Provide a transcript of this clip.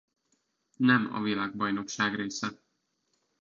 Nem a világbajnokság része